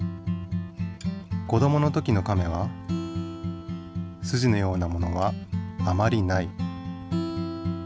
子どもの時のカメはすじのようなものはあまり無い。